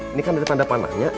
ini kan dari tanda panahnya